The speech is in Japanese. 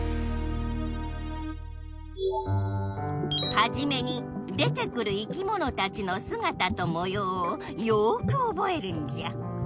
はじめに出てくるいきものたちのすがたともようをよくおぼえるんじゃ。